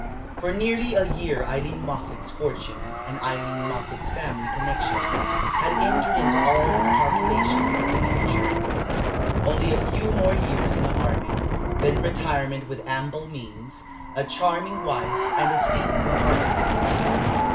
For nearly a year Aileen Moffatt's fortune and Aileen Moffatt's family connections had entered into all his calculations of the future. Only a few more years in the army, then retirement with ample means, a charming wife, and a seat in Parliament.